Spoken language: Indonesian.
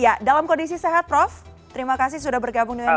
ya dalam kondisi sehat prof terima kasih sudah bergabung dengan kami